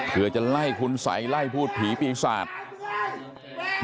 เพื่อจะไล่คุณสัยไล่พูดผีปีศาจ